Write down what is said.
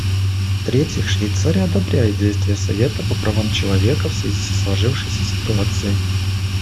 В-третьих, Швейцария одобряет действия Совета по правам человека в связи со сложившейся ситуацией.